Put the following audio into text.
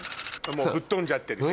ぶっ飛んじゃってるし。